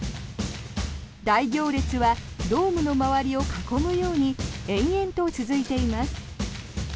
大行列はドームの周りを囲むように延々と続いています。